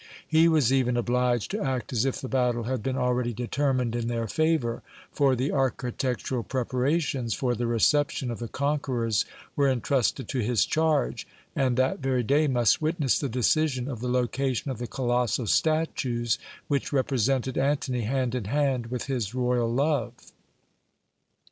He was even obliged to act as if the battle had been already determined in their favour, for the architectural preparations for the reception of the conquerors were entrusted to his charge, and that very day must witness the decision of the location of the colossal statues which represented Antony hand in hand with his royal love.